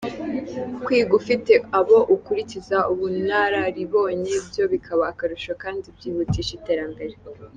Kwiga ufite abo ukurikiza ubunararibonye byo bikaba akarusho, kandi byihutisha iterambere.